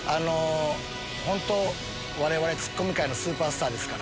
本当我々ツッコミ界のスーパースターですから。